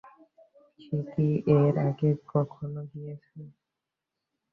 সে কি এর আগে কখনো গিয়েছে?